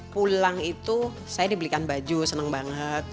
pulang itu saya dibelikan baju senang banget